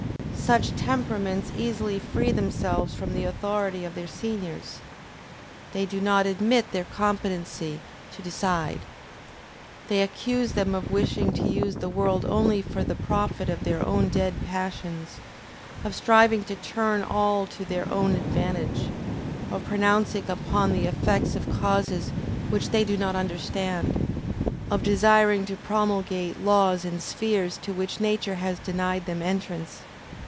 Such temperaments easily free themselves from the authority of their seniors. They do not admit their competency to decide. They accuse them of wishing to use the world only for the profit of their own dead passions, of striving to turn all to their own advantage, of pronouncing upon the effects of causes which they do not understand, of desiring to promulgate laws in spheres to which nature has denied them entrance.